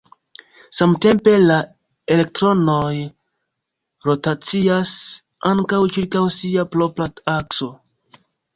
Samtempe, la elektronoj rotacias ankaŭ ĉirkaŭ sia propra akso.